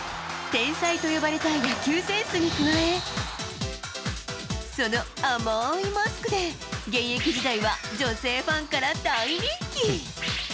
天才と呼ばれた野球センスに加えその甘いマスクで現役時代は女性ファンから大人気。